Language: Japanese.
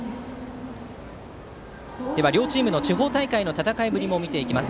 両チームの地方大会の戦いぶりも見ていきます。